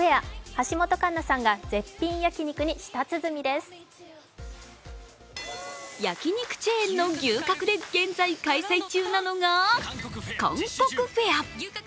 橋本環奈さんが焼肉チェーンの牛角で現在開催中なのが韓国フェア。